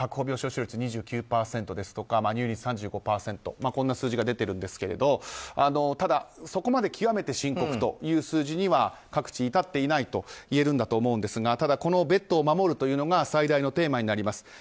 病床使用率２９％ですとか入院率が３５％というこんな数字が出ているんですがそこまで極めて深刻という数字には至っていないといえるんだと思うんですがただ、ベッドを守るというのが最大のテーマになります。